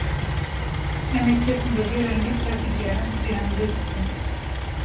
Em ê kesên bi vî rengî tevdigerin jî hembêz bikin